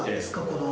この。